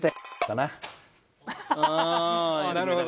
なるほど。